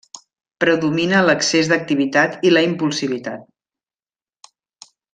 Predomina l'excés d'activitat i la impulsivitat.